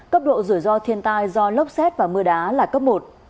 cấp độ rủi ro thiên tai do lốc xét và mưa đá là cấp một